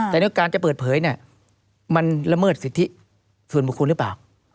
แต่ด้วยการจะเปิดเผยเนี่ยมันละเมิดสิทธิส่วนบุคคลหรือเปล่า